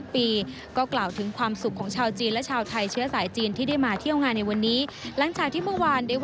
เพราะว่าเราเป็นเชื้อสายคนจีนใช่ไหมคะ